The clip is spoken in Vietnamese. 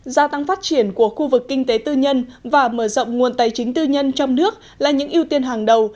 gia tăng phát triển của khu vực kinh tế tư nhân và mở rộng nguồn tài chính tư nhân trong nước là những ưu tiên hàng đầu